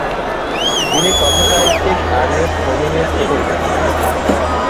তিনি কথাসাহিত্যিক আর্নেস্ট হেমিংওয়ের ছোট ভাই।